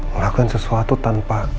mengakuin sesuatu tanpa